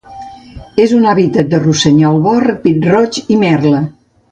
És un hàbitat de rossinyol bord, pit-roig i merla.